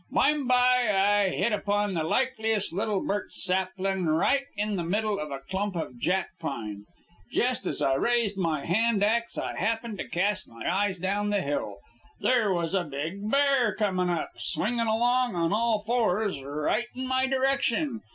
"Bime by I hit upon the likeliest little birch saplin', right in the middle of a clump of jack pine. Jest as I raised my hand ax I happened to cast my eyes down the hill. There was a big bear comin' up, swingin' along on all fours, right in my direction.